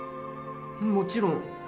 もちろん。